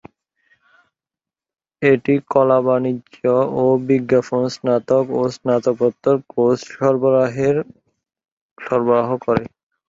এটি কলা, বাণিজ্য ও বিজ্ঞানের স্নাতক ও স্নাতকোত্তর কোর্স সরবরাহ করে।